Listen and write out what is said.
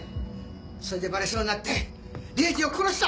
それでバレそうになって礼司を殺した！